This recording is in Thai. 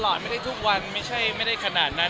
มันไม่ได้คุยกันตลอดเวลาอะไรขนาดนั้น